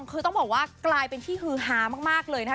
คือต้องบอกว่ากลายเป็นที่ฮือฮามากเลยนะคะ